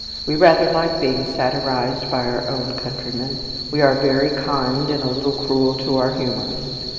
We rather like being satirized by our own countrymen. We are very kind and a little cruel to our humourists.